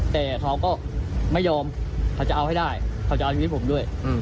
แต่เขาก็ไม่ยอมเขาจะเอาให้ได้เขาจะเอาชีวิตผมด้วย